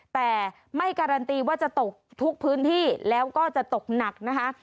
แต่ไม่การันตีว่าจะตกทุกพื้นที่แล้วก็จะตกหนักนะคะ